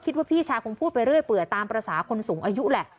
พี่ชายคงพูดไปเรื่อยเปื่อยตามภาษาคนสูงอายุแหละ